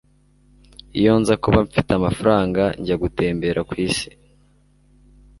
iyo nza kuba mfite amafaranga, njya gutembera kwisi